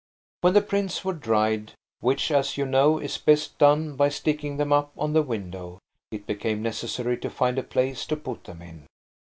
When the prints were dried–which, as you know, is best done by sticking them up on the windows–it became necessary to find a place to put them in.